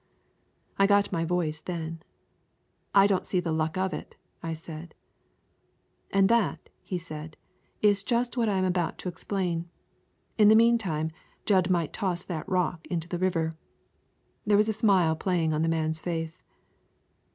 I got my voice then. "I don't see the luck of it," I said. "And that," said he, "is just what I am about to explain. In the meantime Jud might toss that rock into the river." There was a smile playing on the man's face.